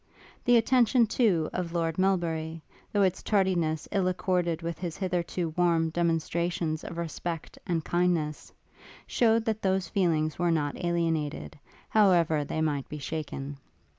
The attention, too, of Lord Melbury, though its tardiness ill accorded with his hitherto warm demonstrations of respect and kindness, shewed that those feelings were not alienated, however they might be shaken.